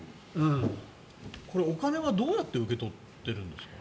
これお金はどうやって受け取ってるんですか。